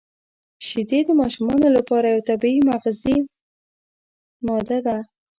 • شیدې د ماشومانو لپاره یو طبیعي مغذي ماده ده.